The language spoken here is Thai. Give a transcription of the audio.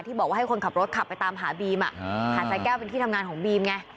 บอกว่าให้คนขับรถขับไปตามหาบีมหาดสายแก้วเป็นที่ทำงานของบีมไง